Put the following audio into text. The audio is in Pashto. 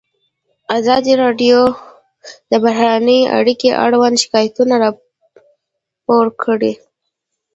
ازادي راډیو د بهرنۍ اړیکې اړوند شکایتونه راپور کړي.